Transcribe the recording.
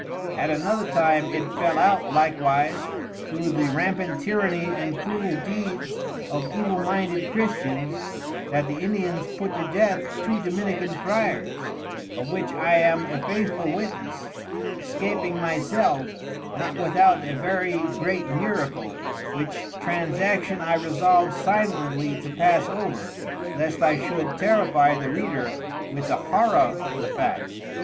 At another time it fell out likewise, through the Rampant Tyrrany and Cruel Deeds of evil minded Christians, that the Indians put to Death two Dominican Friers, of which I am a faithful Witness, escaping my self, not without a very great Miracle, which Transaction I resolve silently to pass over, lest I should terrifie the Reader with the Horror of the Fact.